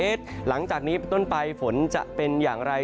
เอชหลังจากนี้ต้นไปฝนจะเป็นอย่างไร